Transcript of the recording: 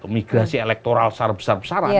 migrasi elektoral besar besaran